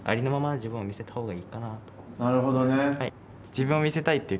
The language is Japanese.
なるほどね。